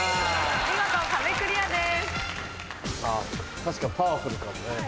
見事壁クリアです。